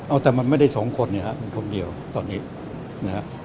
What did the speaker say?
เอาแต่มันไม่ได้สองคนนะครับมันคนเดียวตอนนี้นะครับ